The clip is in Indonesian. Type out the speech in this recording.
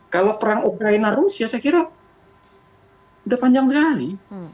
kalau perang ukraina rusia saya kira sudah panjang sekali